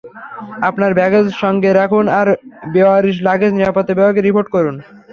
আপনার ব্যাগেজ সঙ্গে রাখুন আর বেওয়ারিশ লাগেজ নিরাপত্তা বিভাগে রিপোর্ট করুন।